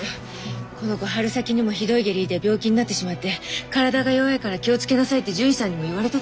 この子春先にもひどい下痢で病気になってしまって体が弱いから気を付けなさいって獣医さんにも言われてたの。